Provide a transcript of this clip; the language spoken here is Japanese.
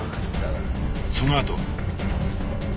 そのあとは？